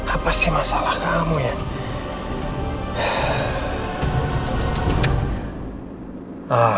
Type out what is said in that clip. apa sih masalah kamu ya